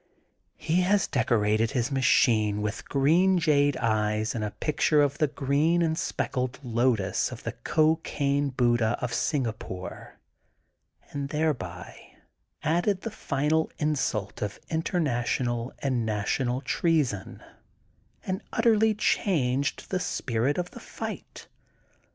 He has decorated his machine with green jade eyes and pictures of the green and speckled lotus of the Cocaine Buddha of Singapore and thereby added the final insult of interna tional alid national treason*' and utterly changed the spirit of the fight.